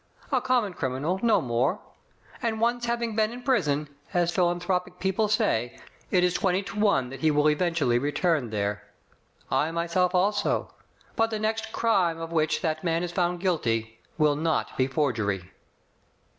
A common criminal, no more. And once having been in prison, as philanthropic people say, it is twenty to one that he will eventually return there. I myself also; but the next crime of which that man is found guilty will not be forgery."